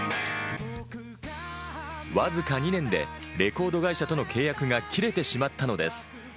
わずか２年でレコード会社との契約が切れてしまったのです。